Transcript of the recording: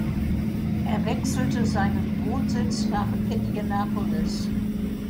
Er wechselte seinen Wohnsitz nach Indianapolis.